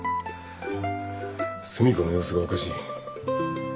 寿美子の様子がおかしい。